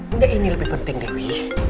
enggak ini lebih penting dari